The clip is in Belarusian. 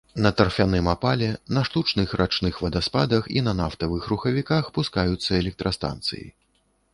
На тарфяным апале, на штучных рачных вадаспадах і на нафтавых рухавіках пускаюцца электрастанцыі.